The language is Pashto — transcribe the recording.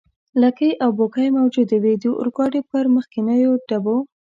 لکۍ او بوکۍ موجودې وې، د اورګاډي پر مخکنیو ډبو.